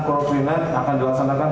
koreklinik akan dilaksanakan